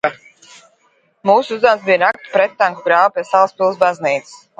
Mūsu uzdevums bija rakt prettanku grāvi pie Salaspils baznīcas.